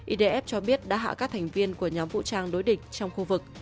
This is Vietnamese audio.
idf cho biết đã hạ các thành viên của nhóm vũ trang đối địch trong khu vực